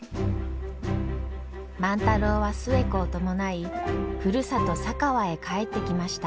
万太郎は寿恵子を伴いふるさと佐川へ帰ってきました。